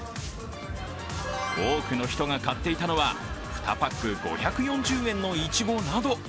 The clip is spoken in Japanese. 多くの人が買っていたのは２パック５４０円のいちごなど。